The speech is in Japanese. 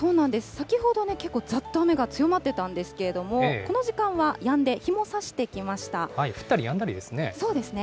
先ほど結構ざっと雨が強まってたんですけれども、この時間はやん降ったりやんだりですね。